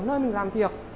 nơi mình làm việc